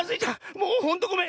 もうほんとごめん。